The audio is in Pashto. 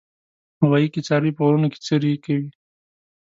غویی کې څاروي په غرونو کې څرې کوي.